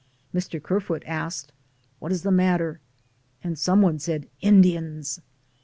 Mr. Kerfoot asked, "What is the mat ter?" Some one said, "Indians!"